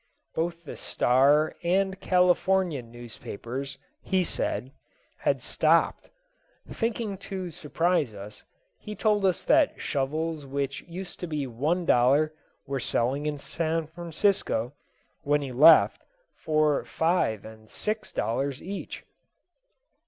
Both the Star and Californian newspapers, he said, had stopped. Thinking to surprise us, he told us that shovels which used to be one dollar were selling in San Francisco, when he left, for five and six dollars each.